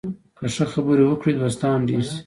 که ښه خبرې وکړې، دوستان ډېر شي